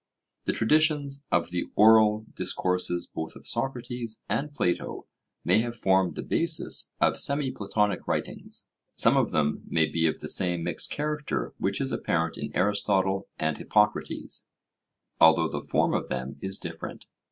The traditions of the oral discourses both of Socrates and Plato may have formed the basis of semi Platonic writings; some of them may be of the same mixed character which is apparent in Aristotle and Hippocrates, although the form of them is different.